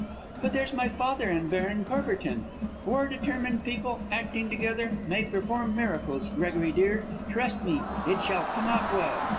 "But there's my father and Baron Courbertin. Four determined people, acting together, may perform miracles, Gregory, dear. Trust me, it shall come out well."